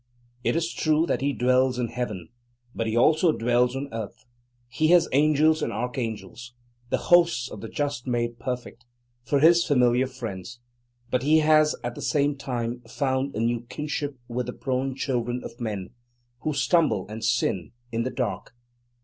It is true that he dwells in heaven, but he also dwells on earth. He has angels and archangels, the hosts of the just made perfect, for his familiar friends, but he has at the same time found a new kinship with the prone children of men, who stumble and sin in the dark.